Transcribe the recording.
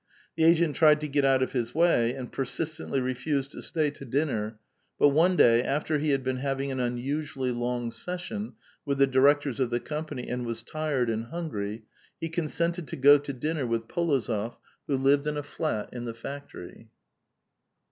The agent tried to get out of his way, and persistently refust'd to sta}' to dinner. But one day, after he had been having an unusually long session with the directors of the company and was tired and hungry, he consented to go to dinner with P61ozof, who lived in a flat in the factory.